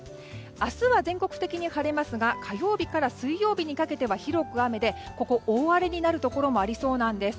明日は全体的に晴れますが火曜日から水曜日にかけては雨でここ大荒れになるところもありそうなんです。